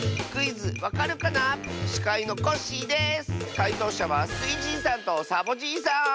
かいとうしゃはスイじいさんとサボじいさん！